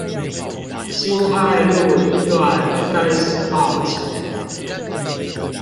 辛亥路一段三〇號前